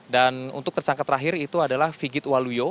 dan untuk tersangka terakhir itu adalah figit waluyo